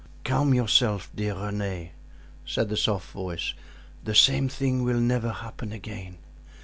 "Calm yourself, dear Rene," said the soft voice, "the same thing will never happen again.